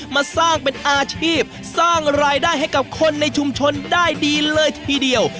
มาสร้างเป็นอาชีพสร้างรายได้ให้กับคนในชุมชนได้ดีเลยทีเดียว